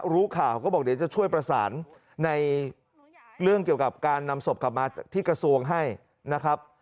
รู้ข่าวก็บอกเดี๋ยวจะช่วยประสานในเรื่องเกี่ยวกับการนำศพกลับมาที่กระทรวงให้นะครับ